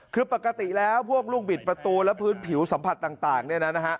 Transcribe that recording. คือปกติแล้วพวกลูกบิดประตูและพื้นผิวสัมผัสต่างเนี่ยนะฮะ